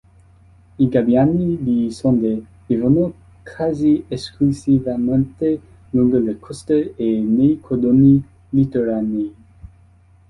I gabbiani di Saunders vivono quasi esclusivamente lungo le coste e nei cordoni litoranei.